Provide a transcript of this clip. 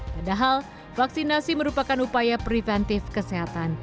padahal vaksinasi merupakan upaya preventif kesehatan